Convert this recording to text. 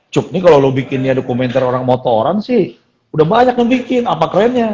cuk ini kalo lu bikin dokumenter orang orang udah banyak yang bikin apa kerennya